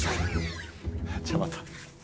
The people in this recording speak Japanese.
じゃあまた！